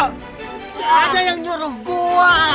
tidak ada yang nyuruh gua